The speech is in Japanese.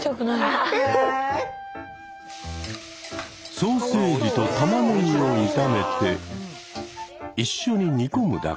ソーセージとたまねぎを炒めて一緒に煮込むだけ。